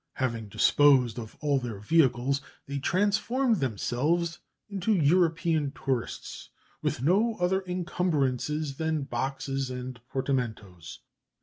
Having disposed of all their vehicles, they transformed themselves into European tourists, with no other incumbrances than boxes and portmanteaus.